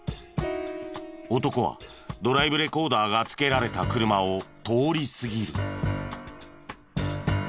男はドライブレコーダーが付けられた車を通り過ぎる。